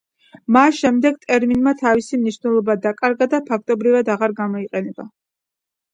მას შემდეგ ტერმინმა თავისი მნიშვნელობა დაკარგა და ფაქტობრივად აღარ გამოიყენება.